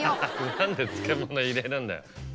何で漬物入れるんだよ。